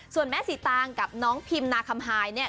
ส่วนแม่สีตางกับน้องพิมนาคัมไฮเนี่ย